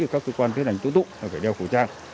các cơ quan thiết ảnh tố tụng phải đeo khẩu trang